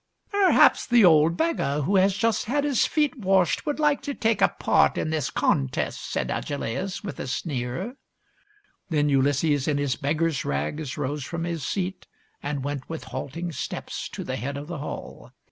Perhaps the old beggar who has just had his feet washed would like to take a part in this con test," said Agelaus, with a sneer. Then Ulysses in his beggar's rags rose from his PENELOPE'S WEB 175 seat and went with halting steps to the head of the hall.